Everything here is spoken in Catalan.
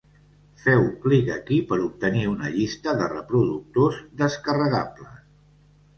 Feu clic aquí per obtenir una llista de reproductors descarregables.